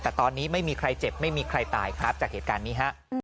แต่ตอนนี้ไม่มีใครเจ็บไม่มีใครตายครับจากเหตุการณ์นี้ฮะ